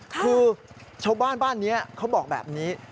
คือชาวบ้านบ้านนี้เขาบอกแบบนี้